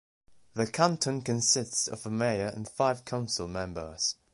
The Canton consists of a mayor and five council members.